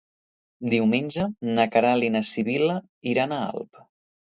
Diumenge na Queralt i na Sibil·la iran a Alp.